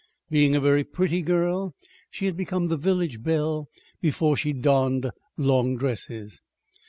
Being a very pretty girl, she had become the village belle before she donned long dresses.